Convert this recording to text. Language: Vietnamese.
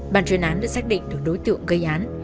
bàn chuyên án đã xác định được đối tượng gây án